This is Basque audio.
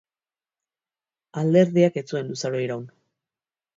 Alderdiak ez zuen luzaro iraun.